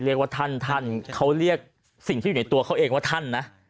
เรียกว่าท่านท่านเขาเรียกสิ่งที่อยู่ในตัวเขาเองว่าท่านนะ